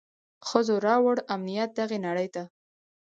ښځو راووړ امنيت دغي نړۍ ته.